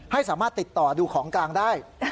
ให้สามารถติดต่อดูของกลางได้